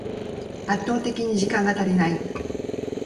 圧倒的に時間が足りない